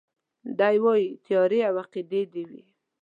دی وايي تيارې او عقيدې دي وي